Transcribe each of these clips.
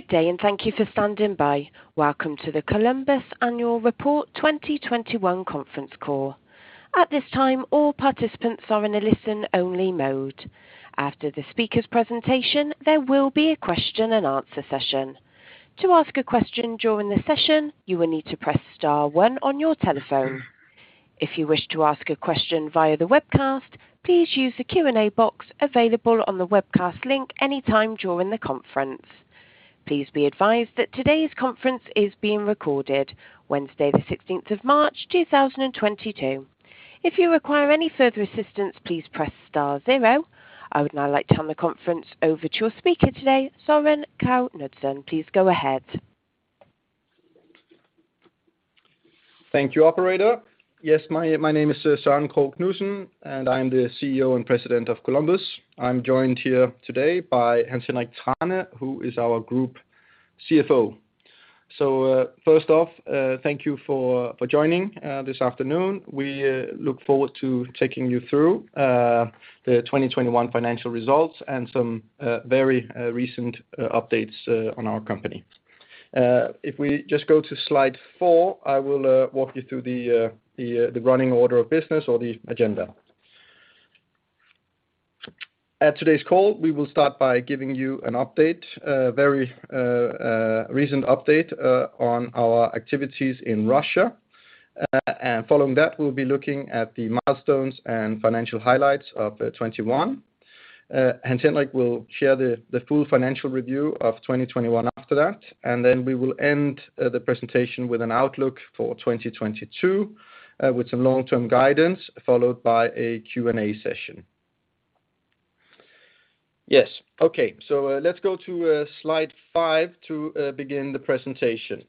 Good day, and thank you for standing by. Welcome to the Columbus Annual Report 2021 conference call. At this time, all participants are in a listen-only mode. After the speaker's presentation, there will be a Q&A session. To ask a question during the session, you will need to press star one on your telephone. If you wish to ask a question via the webcast, please use the Q&A box available on the webcast link any time during the conference. Please be advised that today's conference is being recorded, Wednesday, the 16th of March 2022. If you require any further assistance, please press star zero. I would now like to turn the conference over to your speaker today, Søren Krogh Knudsen. Please go ahead. Thank you, operator. Yes, my name is Søren Krogh Knudsen, and I'm the CEO and President of Columbus. I'm joined here today by Hans Henrik Thrane, who is our Group CFO. First off, thank you for joining this afternoon. We look forward to taking you through the 2021 financial results and some very recent updates on our company. If we just go to slide four, I will walk you through the running order of business or the agenda. At today's call, we will start by giving you an update, a very recent update, on our activities in Russia. Following that, we'll be looking at the milestones and financial highlights of 2021. Hans Henrik will share the full financial review of 2021 after that, and then we will end the presentation with an outlook for 2022, with some long-term guidance, followed by a Q&A session. Yes. Okay. Let's go to slide five to begin the presentation.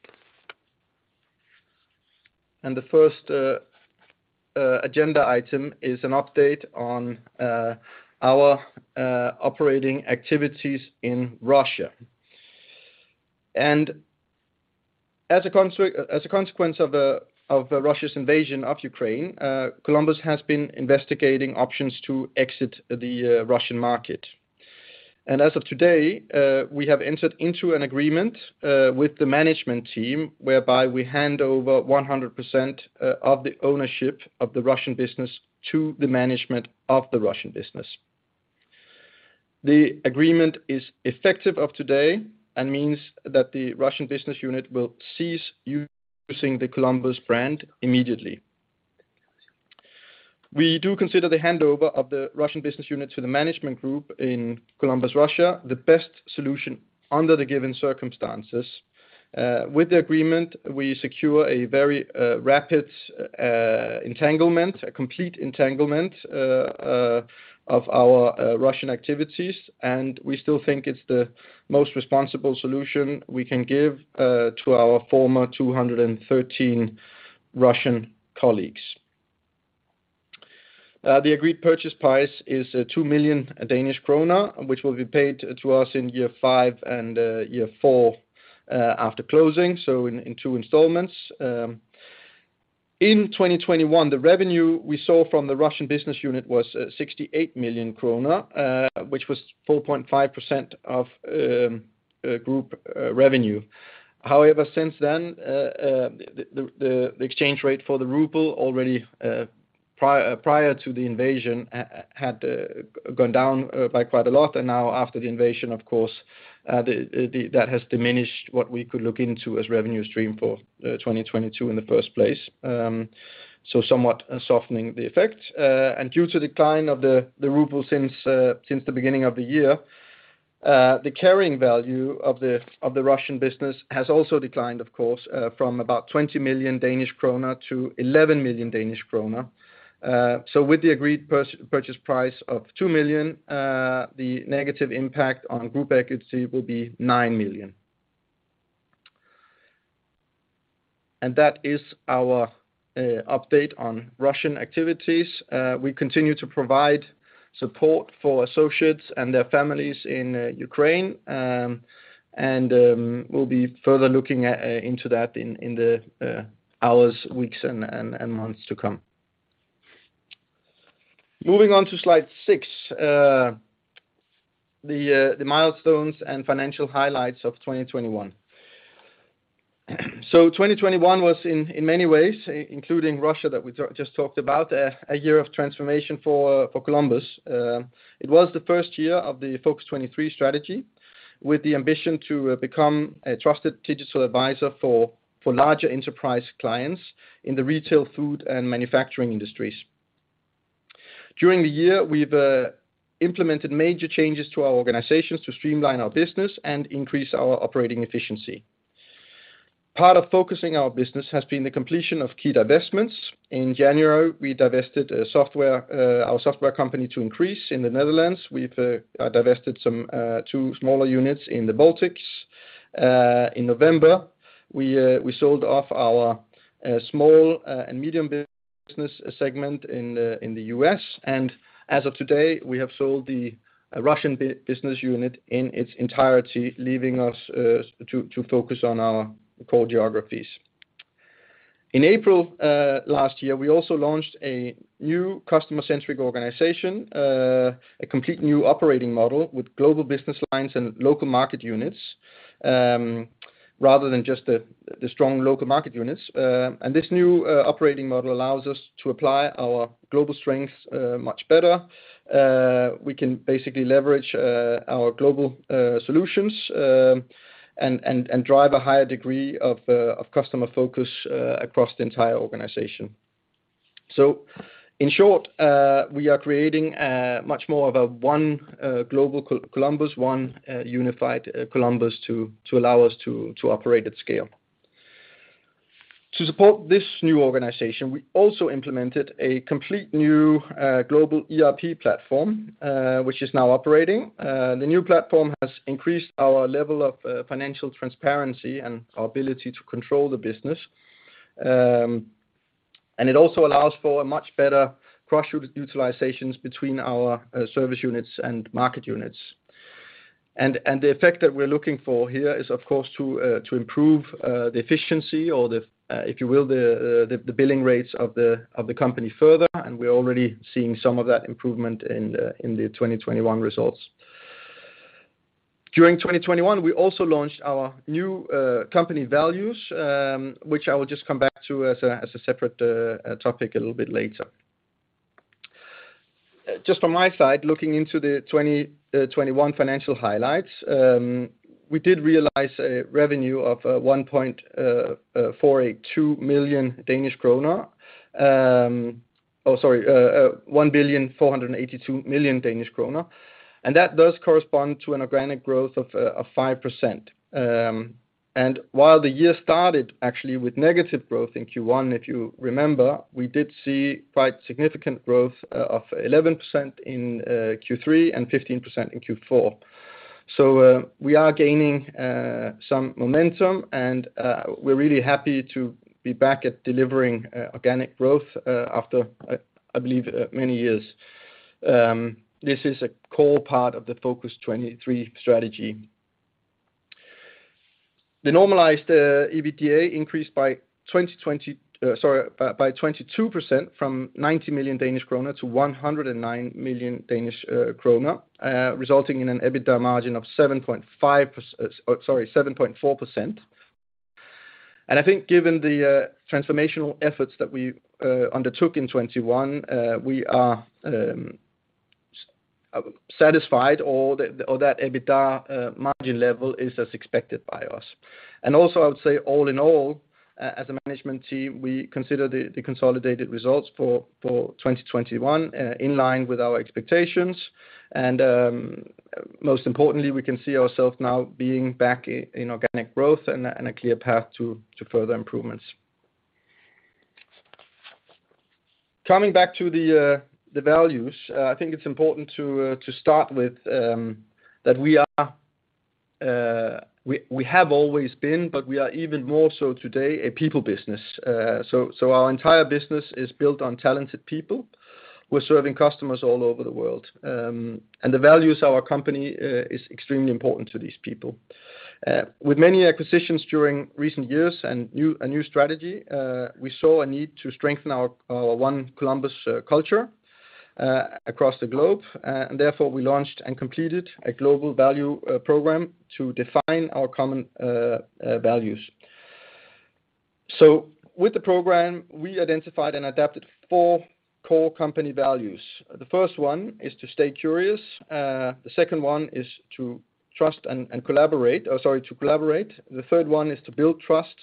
The first agenda item is an update on our operating activities in Russia. As a consequence of Russia's invasion of Ukraine, Columbus has been investigating options to exit the Russian market. As of today, we have entered into an agreement with the management team whereby we hand over 100% of the ownership of the Russian business to the management of the Russian business. The agreement is effective as of today and means that the Russian business unit will cease using the Columbus brand immediately. We do consider the handover of the Russian business unit to the management group in Columbus, Russia, the best solution under the given circumstances. With the agreement, we secure a very rapid disentanglement, a complete disentanglement of our Russian activities, and we still think it's the most responsible solution we can give to our former 213 Russian colleagues. The agreed purchase price is 2 million Danish krone, which will be paid to us in year five and year four after closing, so in two installments. In 2021, the revenue we saw from the Russian business unit was 68 million kroner, which was 4.5% of group revenue. However, since then, the exchange rate for the ruble already prior to the invasion had gone down by quite a lot. Now after the invasion, of course, that has diminished what we could look into as revenue stream for 2022 in the first place. Somewhat softening the effect. Due to decline of the ruble since the beginning of the year, the carrying value of the Russian business has also declined, of course, from about 20 million-11 million Danish kroner. With the agreed purchase price of 2 million, the negative impact on group equity will be 9 million. That is our update on Russian activities. We continue to provide support for associates and their families in Ukraine, and we'll be further looking into that in the hours, weeks and months to come. Moving on to slide six. The milestones and financial highlights of 2021. 2021 was in many ways, including Russia that we just talked about, a year of transformation for Columbus. It was the first year of the Focus23 strategy with the ambition to become a trusted digital advisor for larger enterprise clients in the retail, food, and manufacturing industries. During the year, we've implemented major changes to our organizations to streamline our business and increase our operating efficiency. Part of focusing our business has been the completion of key divestments. In January, we divested our software company To-Increase in the Netherlands. We've divested some two smaller units in the Baltics. In November, we sold off our small and medium business segment in the U.S. As of today, we have sold the Russian business unit in its entirety, leaving us to focus on our core geographies. In April last year, we also launched a new customer-centric organization, a complete new operating model with global business lines and local market units, rather than just the strong local market units. This new operating model allows us to apply our global strengths much better. We can basically leverage our global solutions and drive a higher degree of customer focus across the entire organization. In short, we are creating a much more of a One Columbus, one unified Columbus to allow us to operate at scale. To support this new organization, we also implemented a complete new global ERP platform, which is now operating. The new platform has increased our level of financial transparency and our ability to control the business. It also allows for a much better cross-group utilizations between our service units and market units. The effect that we're looking for here is, of course, to improve the efficiency or the, if you will, the billing rates of the company further, and we're already seeing some of that improvement in the 2021 results. During 2021, we also launched our new company values, which I will just come back to as a separate topic a little bit later. Just from my side, looking into the 2021 financial highlights, we did realize a revenue of 1.482 billion Danish kroner, and that does correspond to an organic growth of 5%. While the year started actually with negative growth in Q1, if you remember, we did see quite significant growth of 11% in Q3 and 15% in Q4. We are gaining some momentum, and we're really happy to be back at delivering organic growth after I believe many years. This is a core part of the Focus23 strategy. The normalized EBITDA increased by 22% from 90 million-109 million Danish kroner, resulting in an EBITDA margin of 7.4%. I think given the transformational efforts that we undertook in 2021, we are satisfied with the EBITDA margin level as expected by us. I would say all in all, as a management team, we consider the consolidated results for 2021 in line with our expectations. Most importantly, we can see ourselves now being back in organic growth and a clear path to further improvements. Coming back to the values, I think it's important to start with that we have always been, but we are even more so today, a people business. So our entire business is built on talented people. We're serving customers all over the world. The values of our company is extremely important to these people. With many acquisitions during recent years and a new strategy, we saw a need to strengthen our One Columbus culture across the globe. Therefore, we launched and completed a global values program to define our common values. With the program, we identified and adapted four core company values. The first one is to stay curious. The second one is to collaborate. The third one is to build trust.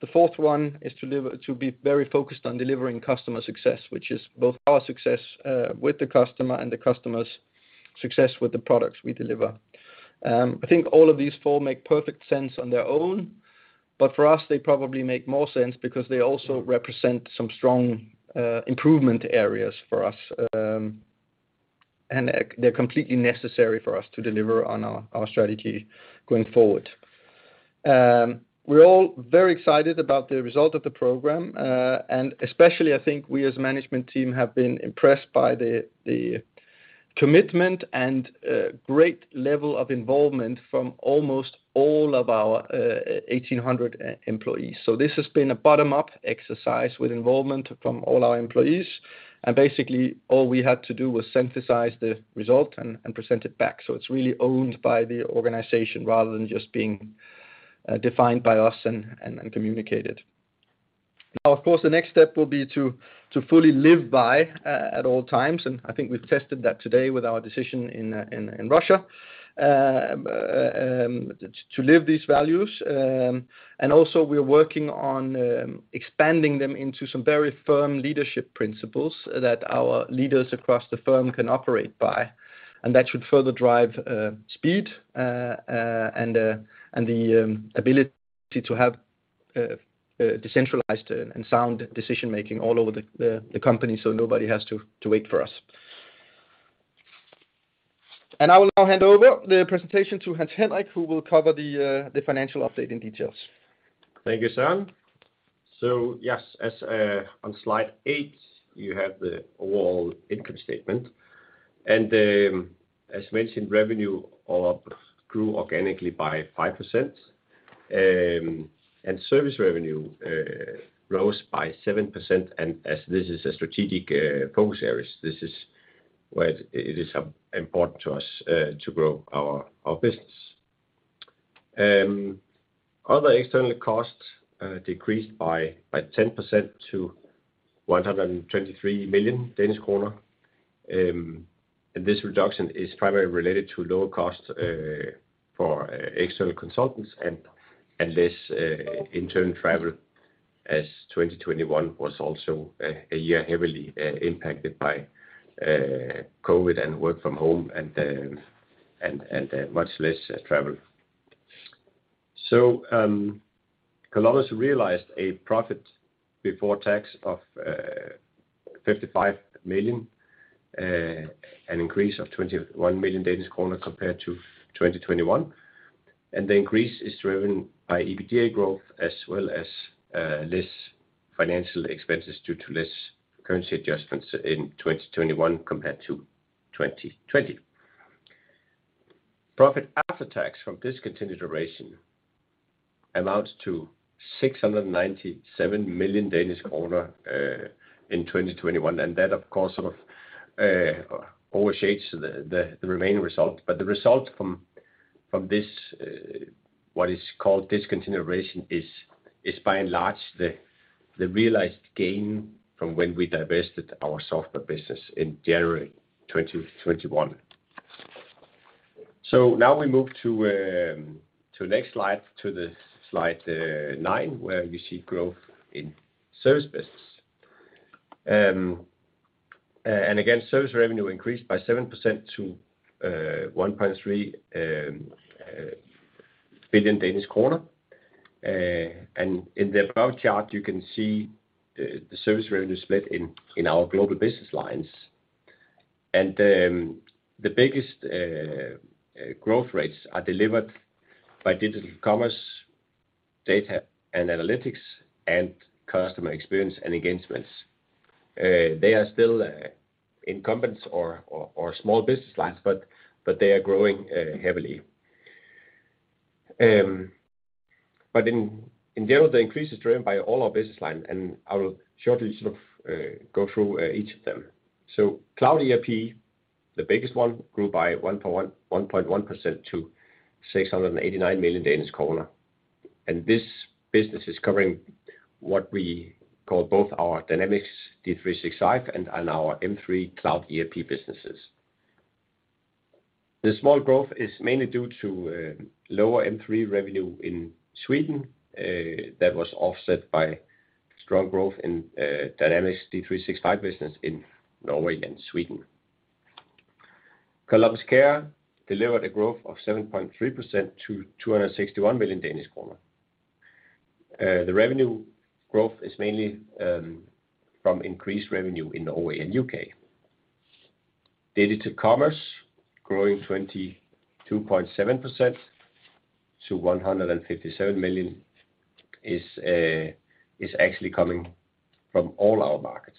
The fourth one is to deliver, to be very focused on delivering customer success, which is both our success with the customer and the customer's success with the products we deliver. I think all of these four make perfect sense on their own, but for us, they probably make more sense because they also represent some strong improvement areas for us, and they're completely necessary for us to deliver on our strategy going forward. We're all very excited about the result of the program, and especially I think we as management team have been impressed by the commitment and great level of involvement from almost all of our 1,800 employees. This has been a bottom-up exercise with involvement from all our employees. Basically, all we had to do was synthesize the result and present it back. It's really owned by the organization rather than just being defined by us and communicated. Now, of course, the next step will be to fully live by at all times, and I think we've tested that today with our decision in Russia to live these values. Also we're working on expanding them into some very firm leadership principles that our leaders across the firm can operate by. That should further drive speed and the ability to have decentralized and sound decision-making all over the company, so nobody has to wait for us. I will now hand over the presentation to Hans Henrik Thrane, who will cover the financial update in detail. Thank you, Søren. Yes, as on slide eight, you have the overall income statement. As mentioned, revenue also grew organically by 5%. Service revenue rose by 7%. As this is a strategic focus areas, this is where it is important to us to grow our business. Other external costs decreased by 10% to 123 million Danish kroner. This reduction is primarily related to lower costs for external consultants and less internal travel as 2021 was also a year heavily impacted by COVID and work from home and much less travel. Columbus realized a profit before tax of 55 million, an increase of 21 million Danish kroner compared to 2021. The increase is driven by EBITDA growth as well as less financial expenses due to less currency adjustments in 2021 compared to 2020. Profit after tax from discontinued operations amounts to 697 million Danish kroner in 2021. That of course sort of overshadows the remaining results. The results from this what is called discontinued operations is by and large the realized gain from when we divested our software business in January 2021. Now we move to the next slide, to slide nine, where we see growth in service business. Again, service revenue increased by 7% to 1.3 billion Danish kroner. In the above chart, you can see the service revenue split in our global business lines. The biggest growth rates are delivered by Digital Commerce, Data & Analytics, and Customer Experience & Engagement. They are still incumbents or small business lines, but they are growing heavily. In general, the increase is driven by all our business line, and I will shortly sort of go through each of them. Cloud ERP, the biggest one, grew by 1.1% to 689 million Danish kroner. This business is covering what we call both our Dynamics 365 and our M3 Cloud ERP businesses. The small growth is mainly due to lower M3 revenue in Sweden that was offset by strong growth in Dynamics 365 business in Norway and Sweden. Columbus Care delivered a growth of 7.3% to 261 million Danish kroner. The revenue growth is mainly from increased revenue in Norway and U.K. Digital Commerce growing 22.7% to 157 million is actually coming from all our markets.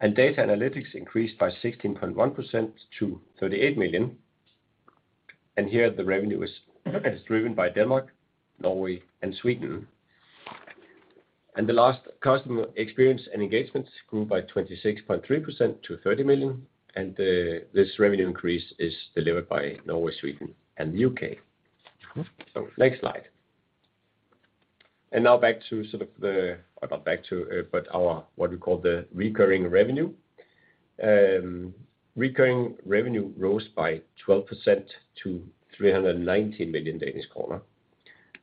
Data & Analytics increased by 16.1% to 38 million, and here the revenue is driven by Denmark, Norway and Sweden. Lastly, Customer Experience & Engagement grew by 26.3% to 30 million, and this revenue increase is delivered by Norway, Sweden and the U.K. Next slide. Now back to sort of the Now back to our what we call the recurring revenue. Recurring revenue rose by 12% to 390 million Danish kroner.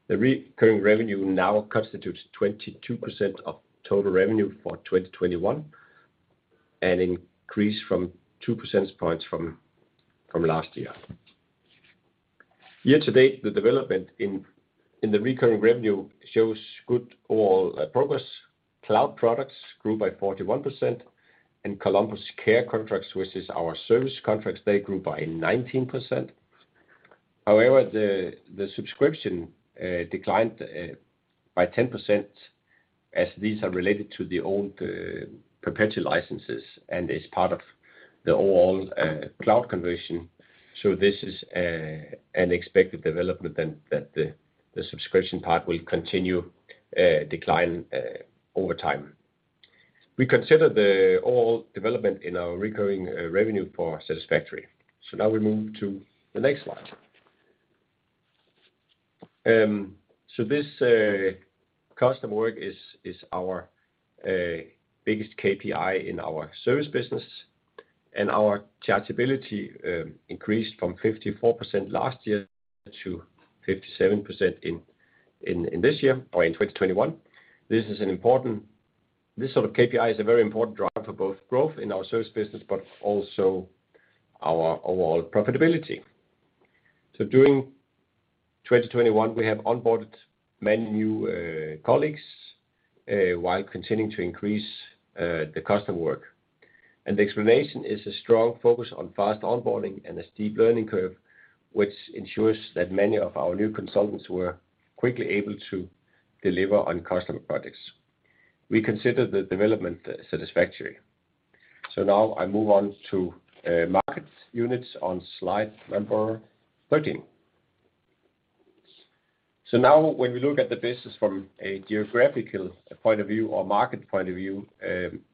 The recurring revenue now constitutes 22% of total revenue for 2021, an increase of 2 percentage points from last year. Year to date, the development in the recurring revenue shows good overall progress. Cloud products grew by 41%, and Columbus Care contracts, which is our service contracts, they grew by 19%. However, the subscription declined by 10% as these are related to the old perpetual licenses and is part of the overall cloud conversion. So this is an expected development then that the subscription part will continue decline over time. We consider the overall development in our recurring revenue satisfactory. Now we move to the next slide. This customer work is our biggest KPI in our service business, and our chargeability increased from 54% last year to 57% in this year or in 2021. This sort of KPI is a very important driver for both growth in our service business but also our overall profitability. During 2021, we have onboarded many new colleagues while continuing to increase the customer work. The explanation is a strong focus on fast onboarding and a steep learning curve, which ensures that many of our new consultants were quickly able to deliver on customer projects. We consider the development satisfactory. Now I move on to Markets & Units on slide number 13. Now when we look at the business from a geographical point of view or market point of view,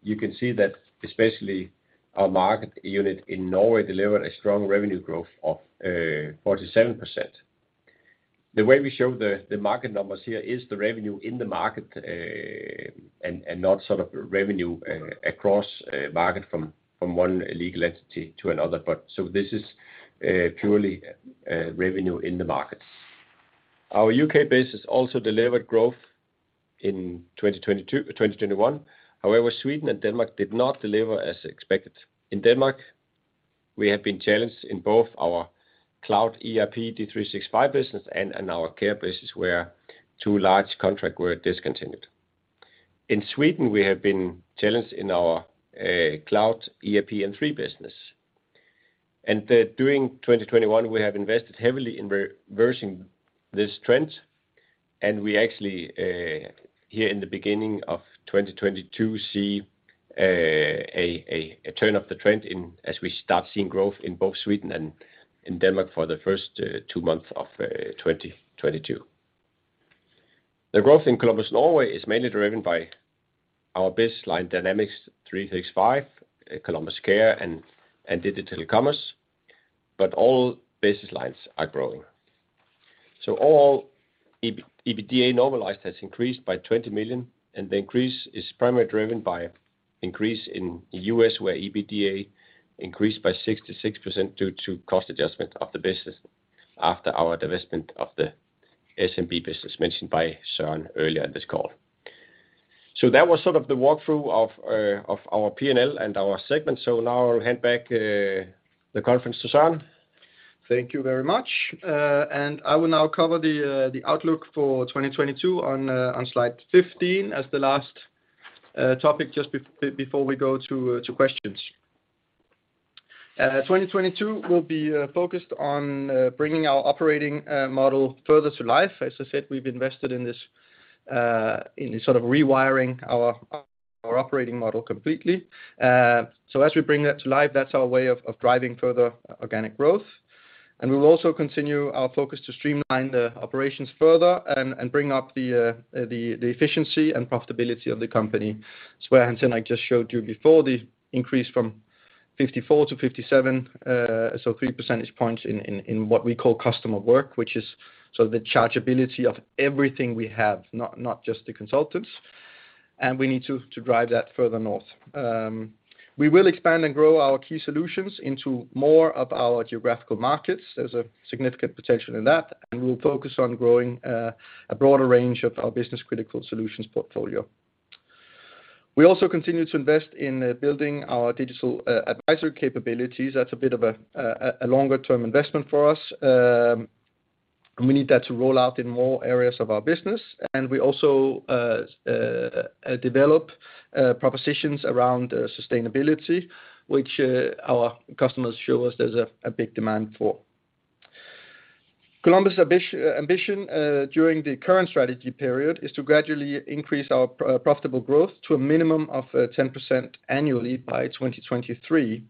you can see that especially our market unit in Norway delivered a strong revenue growth of 47%. The way we show the market numbers here is the revenue in the market, and not sort of revenue across markets from one legal entity to another. This is purely revenue in the markets. Our U.K. business also delivered growth in 2021. However, Sweden and Denmark did not deliver as expected. In Denmark, we have been challenged in both our Cloud ERP D365 business and in our care business, where two large contracts were discontinued. In Sweden, we have been challenged in our Cloud ERP M3 business. During 2021, we have invested heavily in reversing this trend, and we actually here in the beginning of 2022 see a turn of the trend, as we start seeing growth in both Sweden and in Denmark for the first two months of 2022. The growth in Columbus Norway is mainly driven by our baseline Dynamics 365, Columbus Care and digital commerce, but all business lines are growing. All EBITDA normalized has increased by 20 million, and the increase is primarily driven by increase in the U.S., where EBITDA increased by 66% due to cost adjustment of the business after our divestment of the SMB business mentioned by Søren earlier in this call. That was sort of the walkthrough of our P&L and our segments. Now I'll hand back the conference to Søren. Thank you very much. I will now cover the outlook for 2022 on slide 15 as the last topic just before we go to questions. 2022 will be focused on bringing our operating model further to life. As I said, we've invested in this in sort of rewiring our operating model completely. As we bring that to life, that's our way of driving further organic growth. We will also continue our focus to streamline the operations further and bring up the efficiency and profitability of the company. As Hans Henrik just showed you before, the increase from 54%-57%, so 3 percentage points in what we call customer work, which is sort of the chargeability of everything we have, not just the consultants. We need to drive that further north. We will expand and grow our key solutions into more of our geographical markets. There's a significant potential in that, and we'll focus on growing a broader range of our business-critical solutions portfolio. We also continue to invest in building our digital advisory capabilities. That's a bit of a longer-term investment for us. We need that to roll out in more areas of our business. We also develop propositions around sustainability, which our customers show us there's a big demand for. Columbus ambition during the current strategy period is to gradually increase our profitable growth to a minimum of 10% annually by 2023.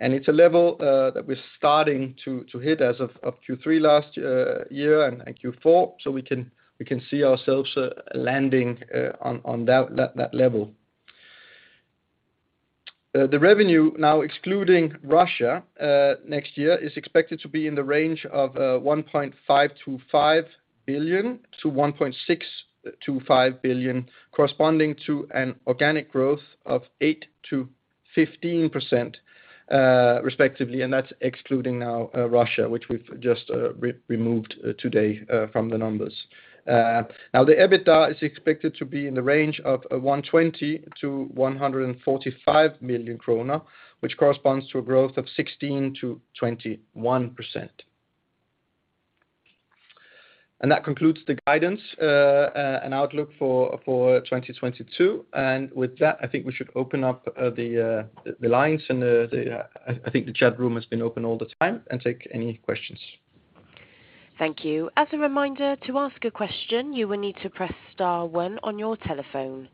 It's a level that we're starting to hit as of Q3 last year and Q4. We can see ourselves landing on that level. The revenue now excluding Russia next year is expected to be in the range of 1.525 billion-1.625 billion, corresponding to an organic growth of 8%-15% respectively, and that's excluding now Russia, which we've just removed today from the numbers. Now the EBITDA is expected to be in the range of 120 million-145 million kroner, which corresponds to a growth of 16%-21%. That concludes the guidance and outlook for 2022. With that, I think we should open up the lines and I think the chat room has been open all the time, and take any questions. Thank you. As a reminder, to ask a question, you will need to press star one on your telephone.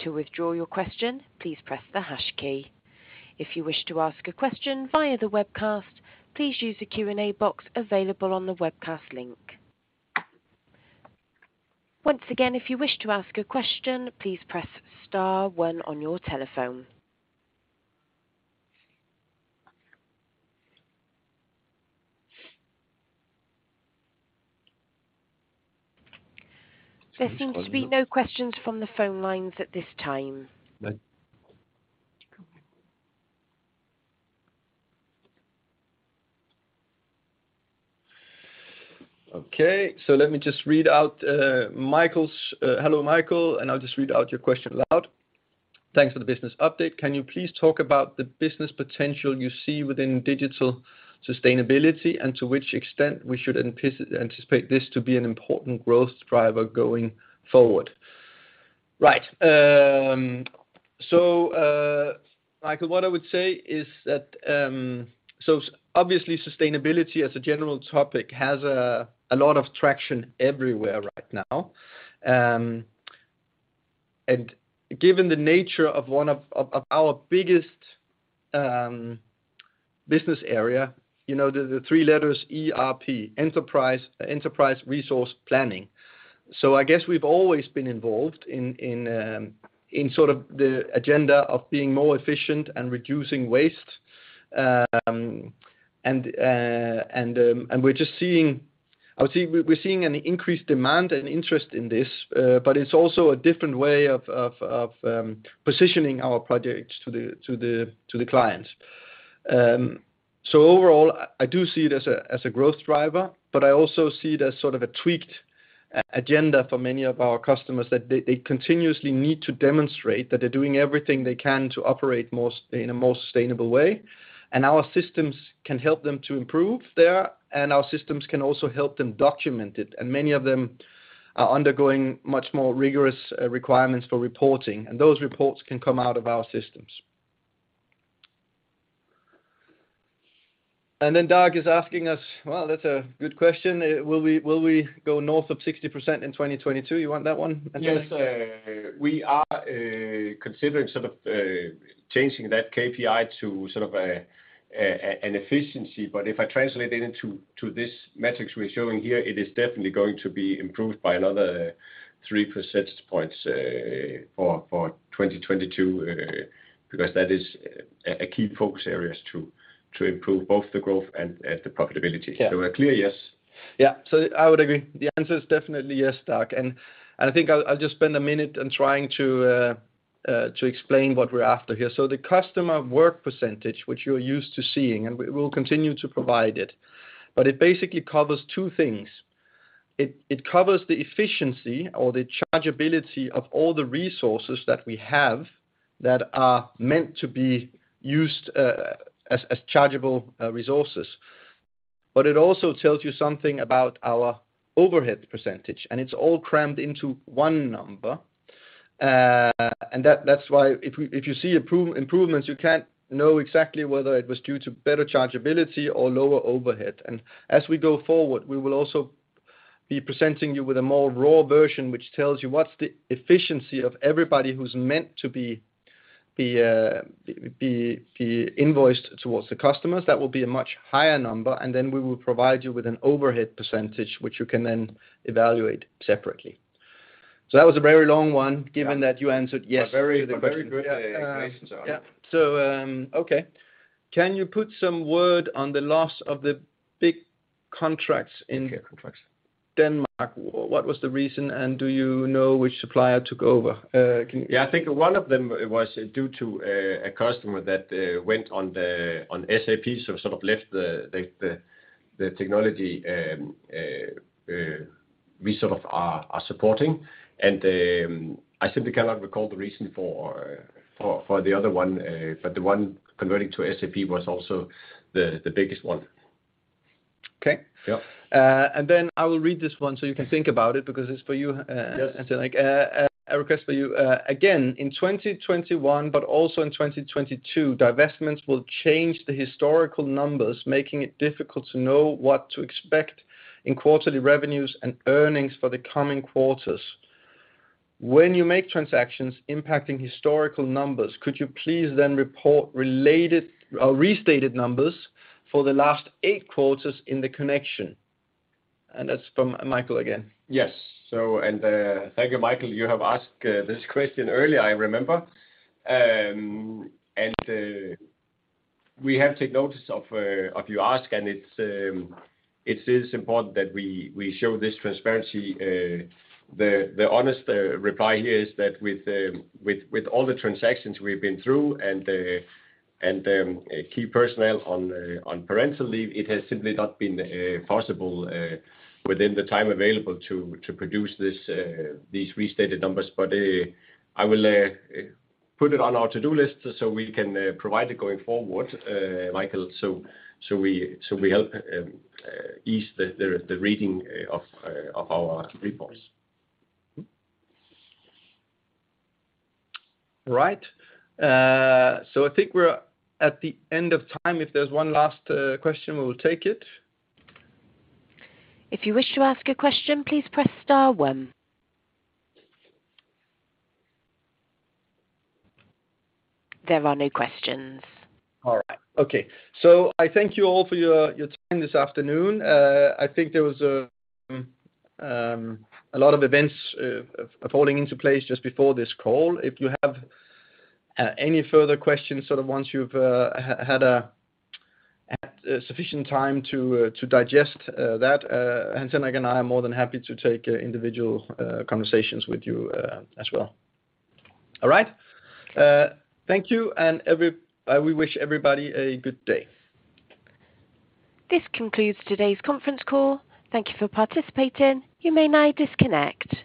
To withdraw your question, please press the hash key. If you wish to ask a question via the webcast, please use the Q&A box available on the webcast link. Once again, if you wish to ask a question, please press star one on your telephone. There seems to be no questions from the phone lines at this time. Okay. Let me just read out Michael's. Hello, Michael, and I'll just read out your question aloud. Thanks for the business update. Can you please talk about the business potential you see within digital sustainability, and to which extent we should anticipate this to be an important growth driver going forward? Right. Michael, what I would say is that, so obviously sustainability as a general topic has a lot of traction everywhere right now. And given the nature of one of our biggest business area, you know, the three letters ERP, Enterprise Resource Planning. I guess we've always been involved in sort of the agenda of being more efficient and reducing waste. And we're just seeing. I would say we're seeing an increased demand and interest in this, but it's also a different way of positioning our projects to the clients. So overall I do see it as a growth driver, but I also see it as sort of a tweaked agenda for many of our customers that they continuously need to demonstrate that they're doing everything they can to operate more in a more sustainable way. Our systems can help them to improve there, and our systems can also help them document it. Many of them are undergoing much more rigorous requirements for reporting, and those reports can come out of our systems. Then Doug is asking us, well, that's a good question. Will we go north of 60% in 2022? You want that one, Hans Henrik Thrane? Yes. We are considering sort of changing that KPI to sort of an efficiency. If I translate it into this metrics we're showing here, it is definitely going to be improved by another three percentage points for 2022, because that is a key focus areas to improve both the growth and the profitability. Yeah. A clear yes. Yeah. I would agree. The answer is definitely yes, Doug. I think I'll just spend a minute in trying to explain what we're after here. The customer work percentage, which you're used to seeing, and we will continue to provide it, but it basically covers two things. It covers the efficiency or the chargeability of all the resources that we have that are meant to be used as chargeable resources. But it also tells you something about our overhead percentage, and it's all crammed into one number. That's why if you see improvements, you can't know exactly whether it was due to better chargeability or lower overhead. As we go forward, we will also be presenting you with a more raw version, which tells you what's the efficiency of everybody who's meant to be invoiced towards the customers. That will be a much higher number, and then we will provide you with an overhead percentage, which you can then evaluate separately. That was a very long one. Yeah. Given that you answered yes to the question. Very good explanation. Can you put some word on the loss of the big contracts in- Okay. Contracts. -Denmark? What was the reason, and do you know which supplier took over? Can you- Yeah. I think one of them was due to a customer that went on SAP, so sort of left the technology we sort of are supporting. I simply cannot recall the reason for the other one. The one converting to SAP was also the biggest one. Okay. Yeah. I will read this one so you can think about it because it's for you. Yes. Anton. Like, a request for you. Again, in 2021 but also in 2022, divestments will change the historical numbers, making it difficult to know what to expect in quarterly revenues and earnings for the coming quarters. When you make transactions impacting historical numbers, could you please then report related, or restated numbers for the last eight quarters in the connection? That's from Michael again. Thank you, Michael. You have asked this question earlier, I remember. We have taken notice of your ask, and it is important that we show this transparency. The honest reply here is that with all the transactions we've been through and key personnel on parental leave, it has simply not been possible within the time available to produce these restated numbers. I will put it on our to-do list so we can provide it going forward, Michael. We help ease the reading of our reports. Right. I think we're at the end of time. If there's one last question, we will take it. If you wish to ask a question, please press star one. There are no questions. All right. Okay. I thank you all for your time this afternoon. I think there was a lot of events falling into place just before this call. If you have any further questions, sort of once you've had sufficient time to digest that, Anton, Nick and I are more than happy to take individual conversations with you as well. All right. Thank you and we wish everybody a good day. This concludes today's conference call. Thank you for participating. You may now disconnect.